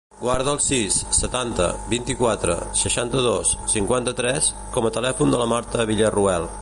Guarda el sis, setanta, vint-i-quatre, seixanta-dos, cinquanta-tres com a telèfon de la Marta Villarroel.